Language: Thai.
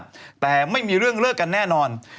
ที่แอฟเคยให้สัมภาษณ์แต่ไม่มีเรื่องเลิกกันแน่นอน